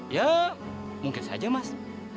ya mungkin saja mas